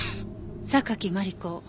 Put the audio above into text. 榊マリコ。